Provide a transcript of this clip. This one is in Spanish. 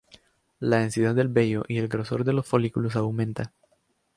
La densidad del vello y el grosor de los folículos aumenta.